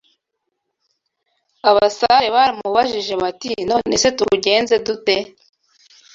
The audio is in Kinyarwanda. Abasare baramubajije bati none se tukugenze dute